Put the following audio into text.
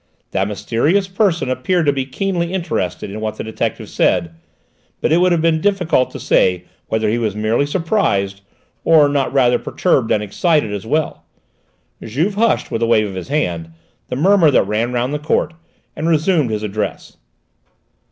That mysterious person appeared to be keenly interested in what the detective said, but it would have been difficult to say whether he was merely surprised, or not rather perturbed and excited as well. Juve hushed, with a wave of his hand, the murmur that ran round the court, and resumed his address.